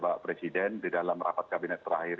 bapak presiden di dalam rapat kabinet terakhir